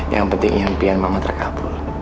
yang penting impian mama terkabul